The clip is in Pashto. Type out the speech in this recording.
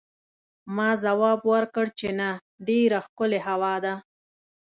ما ځواب ورکړ چې نه، ډېره ښکلې هوا ده.